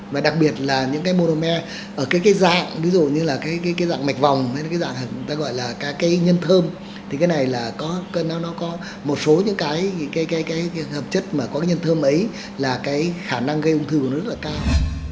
và đặc biệt là những cái modermer ở cái dạng ví dụ như là cái dạng mạch vòng hay là cái dạng ta gọi là các cái nhân thơm thì cái này là nó có một số những cái hợp chất mà có cái nhân thơm ấy là cái khả năng gây ung thư nó rất là cao